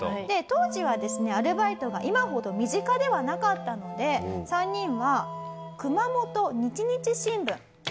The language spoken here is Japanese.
当時はですねアルバイトが今ほど身近ではなかったので３人は。